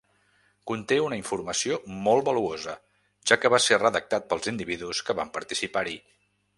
Conté una informació molt valuosa, ja que va ser redactat pels individus que van participar-hi.